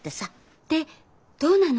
でどうなの？